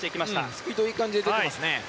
スピードはいい感じで出ていますね。